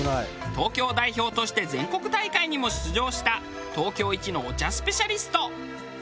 東京代表として全国大会にも出場した東京一のお茶スペシャリスト。